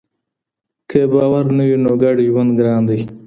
که باور نه وي نو ګډ ژوند ګران دی.